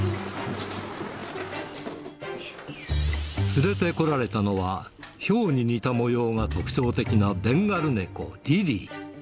連れてこられたのは、ヒョウに似た模様が特徴的なベンガル猫、リリー。